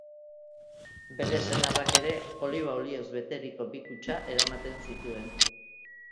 Bere senarrak ere, oliba olioz beteriko bi kutxa eramaten zituen.